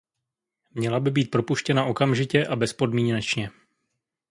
Měla by být propuštěna okamžitě a bezpodmínečně.